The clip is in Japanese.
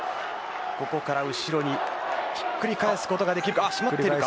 ここから後ろにひっくり返すことができるか。